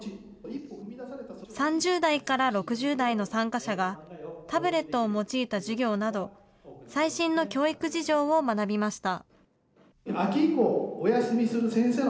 ３０代から６０代の参加者がタブレットを用いた授業など、最新の教育事情を学びました。